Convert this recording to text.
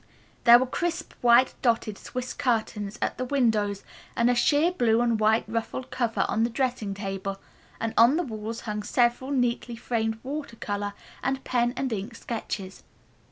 There were crisp, white dotted swiss curtains at the windows and a sheer blue and white ruffled cover on the dressing table, while on the walls hung several neatly framed water color and pen and ink sketches.